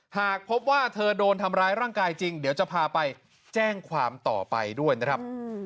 หากพบว่าเธอโดนทำร้ายร่างกายจริงเดี๋ยวจะพาไปแจ้งความต่อไปด้วยนะครับ